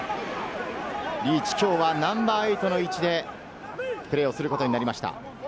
リーチ、きょうはナンバー８の位置でプレーをすることになりました。